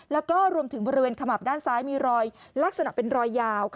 แล้วก็รวมถึงบริเวณขมับด้านซ้ายมีรอยลักษณะเป็นรอยยาว